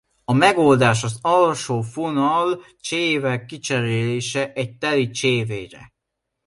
A megoldás az alsófonal-cséve kicserélése egy teli csévére.